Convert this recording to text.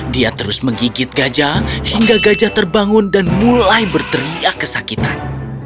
dia terus menggigit gajah hingga gajah terbangun dan mulai berteriak kesakitan